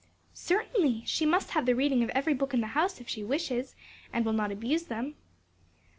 "Certainly! she must have the reading of every book in the house, if she wishes, and will not abuse them."